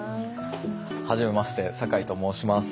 はじめまして酒井と申します。